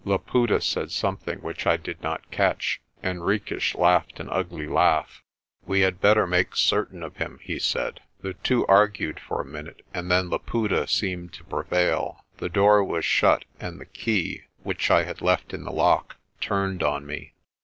Laputa said something which I did not catch. Henriques laughed an ugly laugh. 118 PRESTER JOHN "We had better make certain of him," he said. The two argued for a minute, and then Laputa seemed to prevail. The door was shut and the key, which I had left in the lock, turned on me.